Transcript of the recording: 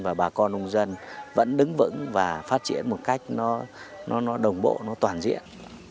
và bà con nông dân vẫn đứng vững và phát triển một cách nó đồng bộ nó toàn diện